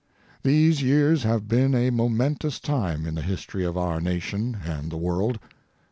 These years have been a momentous time in the history of our Nation and the world.